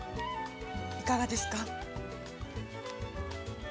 いかがですか。